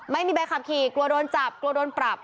ไม่มีใบขับขี่กลัวโดนจับกลัวโดนปรับ